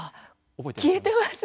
覚えてます？